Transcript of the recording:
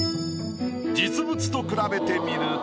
実物と比べてみると。